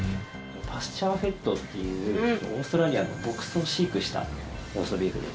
パスチャーフェッドっていうオーストラリアの牧草飼育したローストビーフです。